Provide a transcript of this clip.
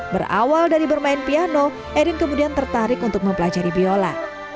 berawal dari bermain piano erin kemudian tertarik untuk mempelajari biola